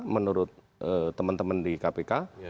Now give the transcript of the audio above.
menurut teman teman di kpk